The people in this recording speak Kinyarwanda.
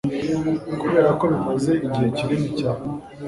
kuberako bimaze igihe kinini cyane